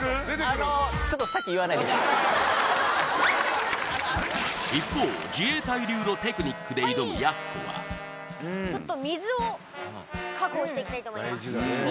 あのちょっと一方自衛隊流のテクニックで挑むやす子はちょっと水を確保していきたいと思います